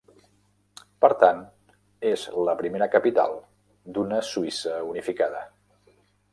Per tant, és la primera capital d'una Suïssa unificada.